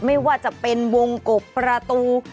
ไม่ว่าจะเป็นวงกบประตู